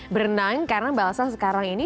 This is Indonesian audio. berenang karena ba elsa sekarang ini